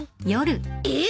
えっ！？